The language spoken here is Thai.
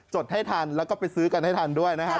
ดให้ทันแล้วก็ไปซื้อกันให้ทันด้วยนะครับ